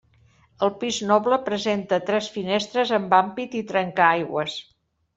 El pis noble presenta tres finestres amb ampit i trencaaigües.